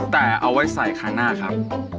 แต่เอาไว้ใส่ครั้งหน้าครับ